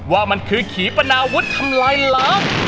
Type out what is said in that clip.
ว่ามันคือขีปนาวุฒิทำลายล้าง